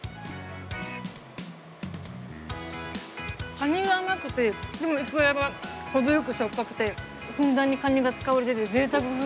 カニが甘くてでもイクラが程よくしょっぱくてふんだんにカニが使われてて贅沢すぎます。